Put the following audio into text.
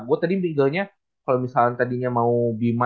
gue tadi ngedelnya kalo misalnya tadinya mau bima